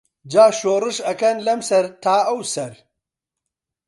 جا شۆڕش ئەکەن لەم سەر تا ئەوسەر